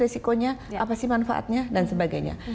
risikonya apa sih manfaatnya dan sebagainya